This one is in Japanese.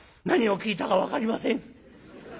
「何を聞いたか分かりません。